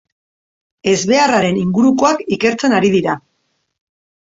Ezbeharraren ingurukoak ikertzen ari dira.